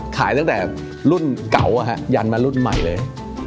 ขายตั้งแต่รุ่นเก่ายันมารุ่นใหม่เลย